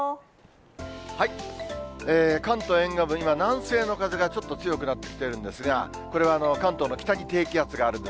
関東沿岸部、今、南西の風がちょっと強くなってきてるんですが、これは関東の北に低気圧があるんです。